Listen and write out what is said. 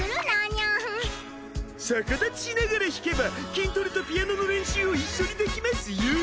逆立ちしながら弾けば筋トレとピアノの練習を一緒にできますよ。